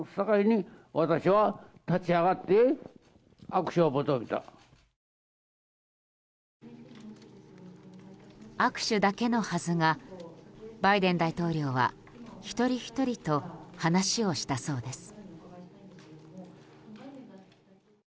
握手だけのはずがバイデン大統領は一人ひとりと話をしたそうです。